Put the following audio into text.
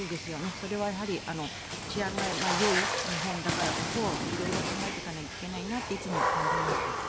それは治安がよい日本だからこそ色々考えていかないといけないなといつも感じます。